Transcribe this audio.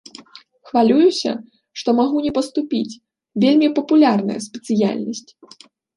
Хвалююся, што магу не паступіць, вельмі папулярная спецыяльнасць.